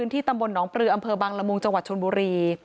ที่ตำบลหนองปลืออำเภอบังละมุงจังหวัดชนบุรี